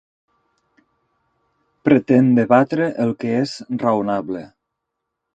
Pretén debatre el que és raonable.